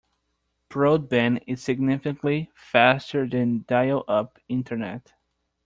Broadband is significantly faster than dial-up internet.